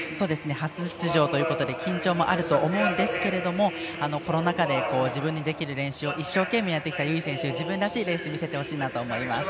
初出場で緊張もあると思いますがコロナ禍で自分にできる練習を一生懸命やってきた由井選手、自分らしいレースを見せてほしいなと思います。